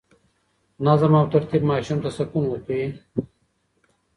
نظم او ترتیب ماشوم ته سکون ورکوي.